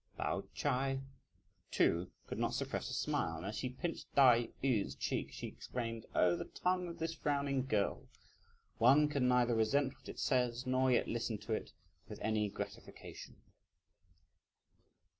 Pao Ch'ai too could not suppress a smile, and as she pinched Tai yü's cheek, she exclaimed, "Oh the tongue of this frowning girl! one can neither resent what it says, nor yet listen to it with any gratification!"